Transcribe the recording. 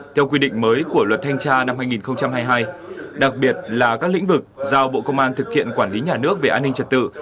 theo quy định mới của luật thanh tra năm hai nghìn hai mươi hai đặc biệt là các lĩnh vực giao bộ công an thực hiện quản lý nhà nước về an ninh trật tự